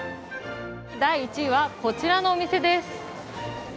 第１位はこちらのお店です。